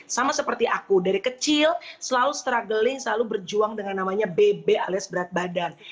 sama seperti aku dari kecil selalu struggling selalu berjuang dengan namanya bb alias berat badan